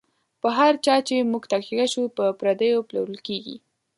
په هر چا چی موږ تکیه شو، په پردیو پلورل کیږی